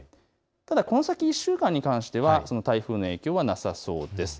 この先、１週間に関してはその台風の影響はなさそうです。